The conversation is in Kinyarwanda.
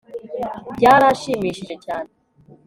Byaranshimishije cyane